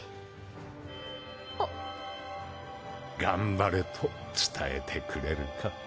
頑張れと伝えてくれるか？